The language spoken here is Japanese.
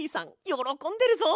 よろこんでるぞ。